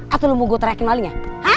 atau lo mau gua teriakin lagi ya